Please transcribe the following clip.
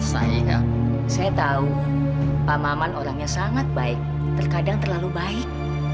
saya tahu pak maman orangnya sangat baik terkadang terlalu baik